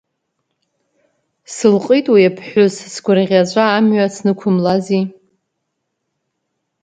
Сылҟит уи аԥҳәыс, сгәырӷьаҵәа амҩа снықәымлази…